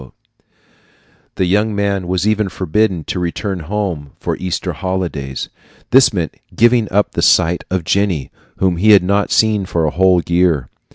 The young man was even forbidden to return home for the Easter holidays. This meant giving up the sight of Jenny, whom he had not seen for a whole year.